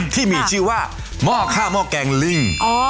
ที่มีชื่อว่าหม้อข้าวหม้อแกงลิง